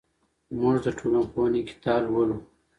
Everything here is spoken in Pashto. موږ د ټولنپوهنې کتاب لولو.